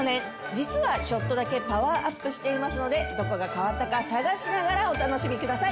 実はちょっとだけパワーアップしていますのでどこが変わったか探しながらお楽しみください。